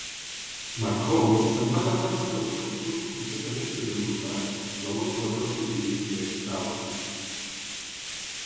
McCall se'n va anar abans que el cotxe fos completament desenvolupat, la qual cosa va afegir més caos.